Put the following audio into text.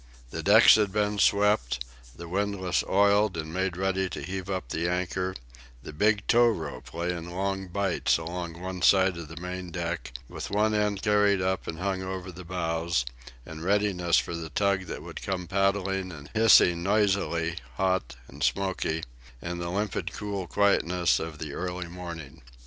The decks had been swept, the windlass oiled and made ready to heave up the anchor; the big tow rope lay in long bights along one side of the main deck, with one end carried up and hung over the bows, in readiness for the tug that would come paddling and hissing noisily, hot and smoky, in the limpid, cool quietness of the early morning.